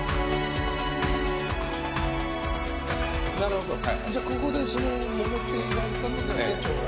なるほどじゃあここでそのもめていられたので店長が。